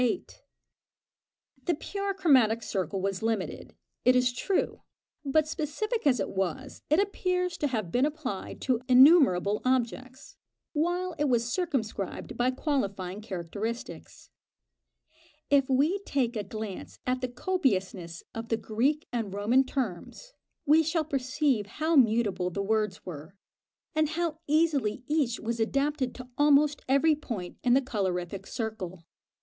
The pure chromatic circle was limited, it is true; but, specific as it was, it appears to have been applied to innumerable objects, while it was circumscribed by qualifying characteristics. If we take a glance at the copiousness of the Greek and Roman terms, we shall perceive how mutable the words were, and how easily each was adapted to almost every point in the colorific circle.